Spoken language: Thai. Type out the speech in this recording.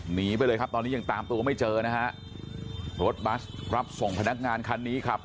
หนีไปเลยครับตอนนี้ยังตามตัวไม่เจอนะฮะรถบัสรับส่งพนักงานคันนี้ครับ